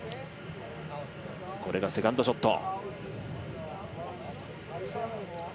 これがセカンドショット。